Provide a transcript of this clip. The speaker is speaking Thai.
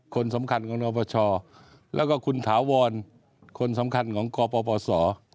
คนสำคัญของนปชแล้วก็คุณถาวรคนสำคัญของกปปศ